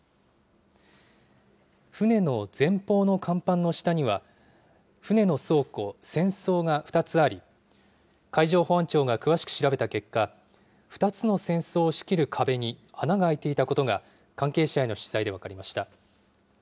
船の前方の甲板の下には、船の倉庫・船倉が２つあり、海上保安庁が詳しく調べた結果、２つの船倉を仕切る壁に穴が開いていたことが、関係者への取材で分かりました。